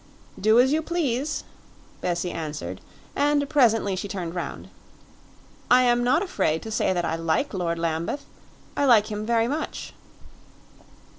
"Do as you please!" Bessie answered; and presently she turned round. "I am not afraid to say that I like Lord Lambeth. I like him very much."